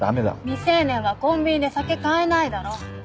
未成年はコンビニで酒買えないだろ。